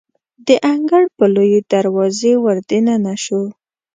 د انګړ په لویې دروازې وردننه شوو.